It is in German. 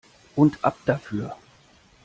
Und ab dafür!